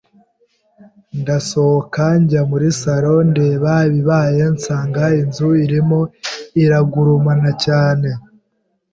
ndasohoka njya muri salon ndeba ibibaye nsanga inzu irimo iragurumana cyane